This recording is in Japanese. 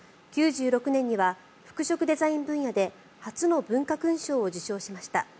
９６年には服飾デザイン分野で初の文化勲章を受章しました。